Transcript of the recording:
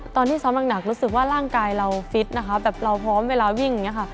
ตอนที่ซ้อมหนักรู้สึกว่าร่างกายเราฟิตนะคะแบบเราพร้อมเวลาวิ่งอย่างนี้ค่ะ